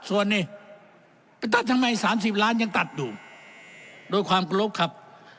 ส่วนนี้ไปตัดทำไมสามสิบล้านยังตัดดูโดยความกลบครับ